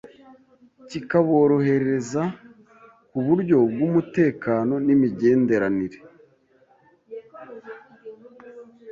kikaborohereza ku buryo bw’umutekano n’imigenderanire